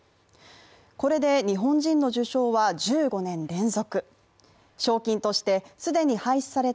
これで日本人の受賞は１５年連続。